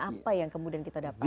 apa yang kemudian kita dapatkan